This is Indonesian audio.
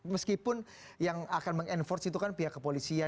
meskipun yang akan mengenforce itu kan pihak kepolisian